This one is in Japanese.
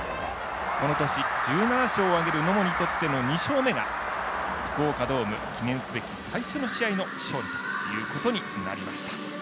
この年、１７勝を挙げる野茂にとっての２勝目が福岡ドーム記念すべき最初の試合の勝利ということになりました。